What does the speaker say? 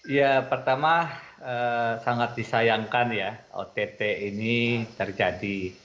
ya pertama sangat disayangkan ya ott ini terjadi